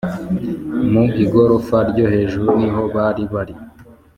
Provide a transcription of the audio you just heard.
mu igorofa ryo hejuru niho bari bari